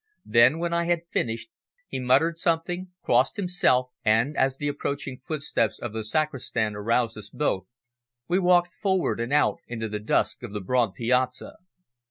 Then, when I had finished, he muttered something, crossed himself, and, as the approaching footsteps of the sacristan aroused us both, we walked forward and out into the dusk of the broad piazza.